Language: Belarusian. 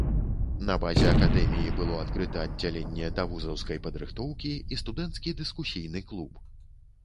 На базе акадэміі было адкрыта аддзяленне давузаўскай падрыхтоўкі і студэнцкі дыскусійны клуб.